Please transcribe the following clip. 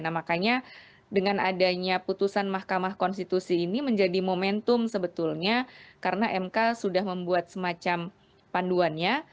nah makanya dengan adanya putusan mahkamah konstitusi ini menjadi momentum sebetulnya karena mk sudah membuat semacam panduannya